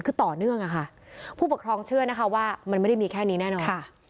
คือต่อเนื่องอะค่ะผู้ปกครองเชื่อนะคะว่ามันไม่ได้มีแค่นี้แน่นอน